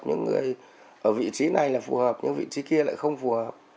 những người ở vị trí này là phù hợp những vị trí kia lại không phù hợp